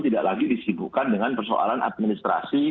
tidak lagi disibukkan dengan persoalan administrasi